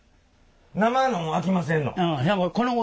生のもんあきませんの？